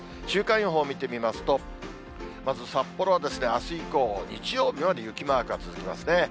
週間予報見てみますと、まず札幌はあす以降、日曜日まで雪マークが続きますね。